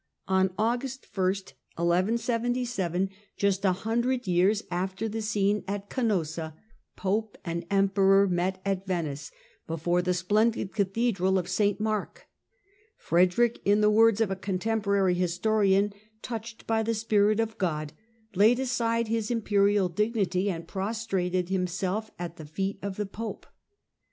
On August 1, 1177, just a hundred years after the scene at Canossa, Pope and Emperor met at Venice, before the splendid Cathedral of St Mark. Frederick, in the words of a contemporary historian, " touched by the Spirit of God, laid aside his imperial dignity, and prostrated himself at the feet of the Pope."